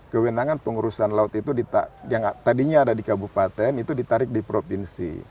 kewenangan pengurusan laut itu yang tadinya ada di kabupaten itu ditarik di provinsi